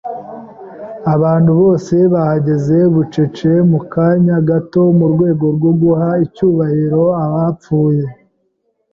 Abantu bose bahagaze bucece mu kanya gato, mu rwego rwo guha icyubahiro abapfuye.